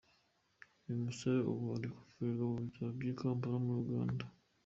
Uyu musore ubu ari kuvurirwa mu bitaro by’i Kampala muri Uganda.